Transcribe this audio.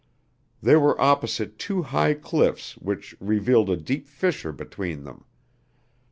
They were opposite two high cliffs which revealed a deep fissure between them.